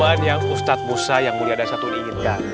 jawaban yang ustadz musa yang mulia dasa tun inginkan